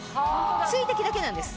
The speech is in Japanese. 水滴だけなんです。